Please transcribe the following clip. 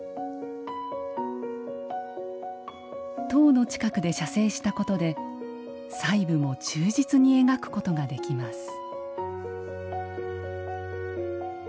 塔の近くで写生したことで細部も忠実に描くことができます